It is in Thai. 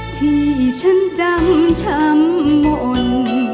ที่ฉันจำช้ำน